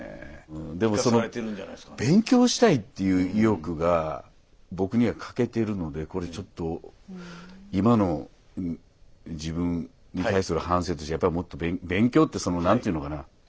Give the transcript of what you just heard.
でもその勉強したいっていう意欲が僕には欠けているのでこれちょっと今の自分に対する反省としてやっぱりもっと勉強ってその何ていうのかな